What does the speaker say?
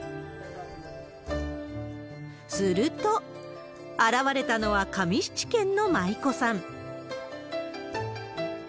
すると、現れたのは上七軒の舞妓さん。